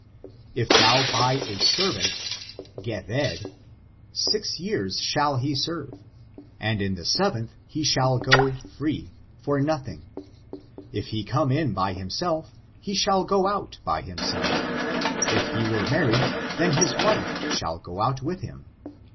"If thou buy a Hebrew servant (gehved), six years shall he serve, and in the seventh he shall go out free, for nothing. If he come in by himself, he shall go (ml by himself; if he were married, then his wife shall go out with him.